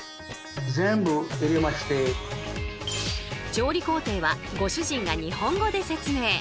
調理工程はご主人が日本語で説明。